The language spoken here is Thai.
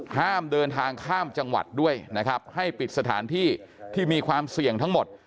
ห้ามเดินทางข้ามจังหวัดด้วยนะครับให้ปิดสถานที่ที่มีความเสี่ยงทั้งหมด